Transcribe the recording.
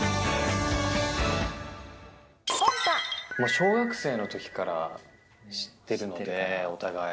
小学生のときから知ってるので、お互い。